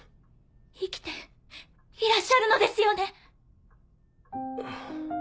生きていらっしゃるのですよね？